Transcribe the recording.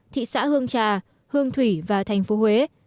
thị xã hương trà hương thủy và thành phố huế